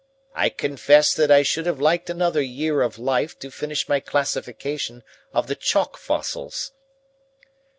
I confess that I should have liked another year of life to finish my classification of the chalk fossils."